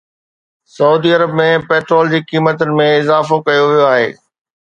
سعودي عرب ۾ پيٽرول جي قيمتن ۾ اضافو ڪيو ويو آهي